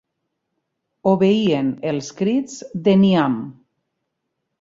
Obeïen els crits de Niamh.